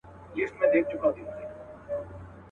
يوه ورځ پر اوداسه ناست پر گودر وو.